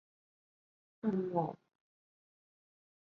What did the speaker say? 默默望着公公不理解的表情